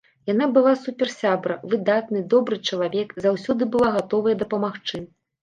Яна была суперсябра, выдатны, добры чалавек, заўсёды была гатовая дапамагчы.